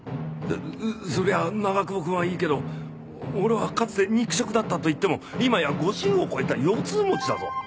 そりゃあ長窪くんはいいけど俺はかつて肉食だったといっても今や５０を超えた腰痛持ちだぞ